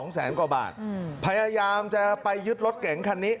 แสนกว่าบาทพยายามจะไปยึดรถเก๋งคันนี้